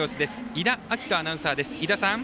伊田晃都アナウンサーです。